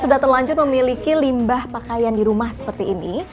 sudah terlanjur memiliki limbah pakaian di rumah seperti ini